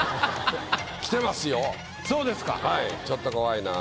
ちょっと怖いなぁ。